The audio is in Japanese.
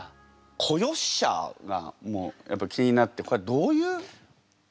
「子よっしゃあ」がやっぱ気になってこれはどういう。